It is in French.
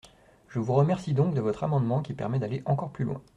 Je vous remercie donc de votre amendement qui permet d’aller encore plus loin.